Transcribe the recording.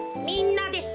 みんなで。